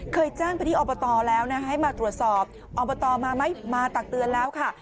เคยแจ้งไปที่อบตแล้วนะคะให้มาตรวจสอบอบตมาไหมมาตักเตือนแล้วค่ะ